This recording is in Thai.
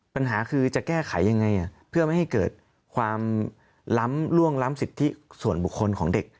ปัญหาคือจะแก้ไขยังไงเพื่อไม่ให้เกิดความล้ำล่วงล้ำสิทธิส่วนบุคคลของเด็ก